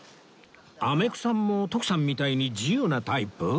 あめくさんも徳さんみたいに自由なタイプ？